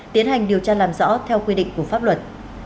tiến hành điều tra làm rõ theo quy định của pháp luật